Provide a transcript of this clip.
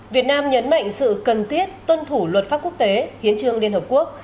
việt nam nhấn mạnh sự cần thiết tuân thủ luật pháp quốc tế hiến trương liên hợp quốc